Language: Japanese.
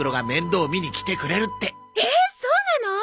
ええそうなの？